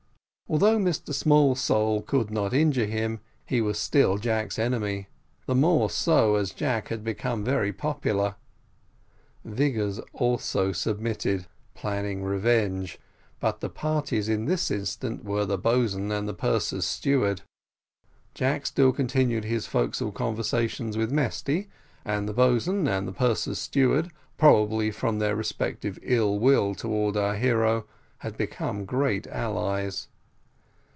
Although Mr Smallsole could not injure him, he was still Jack's enemy; the more so as Jack had become very popular: Vigors also submitted, planning revenge; but the parties in this instance were the boatswain and purser's steward. Jack still continued his forecastle conversation with Mesty; and the boatswain and purser's steward, probably from their respective ill will towards our hero, had become great allies.